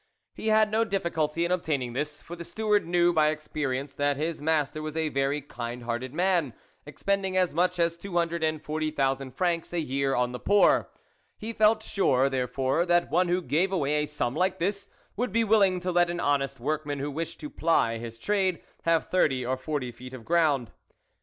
He had no difficulty in obtaining this, for the steward knew by experience that his master was a very kind hearted man, expending as much as two hundred and forty thousand francs a year on the poor ; he felt sure, there fore, that one who gave away a sum like this, would be willing to let an honest workman who wished to ply his trade, have thirty or forty feet of ground.